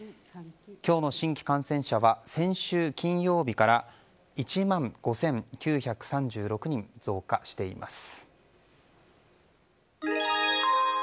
今日の新規感染者は先週金曜日から１万５９３６人増加しています。